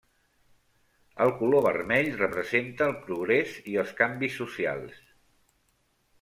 El color vermell representa el progrés i els canvis socials.